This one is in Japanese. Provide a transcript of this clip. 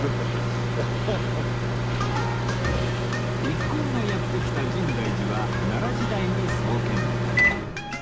一行がやって来た深大寺は奈良時代に創建